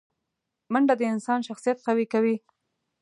منډه د انسان شخصیت قوي کوي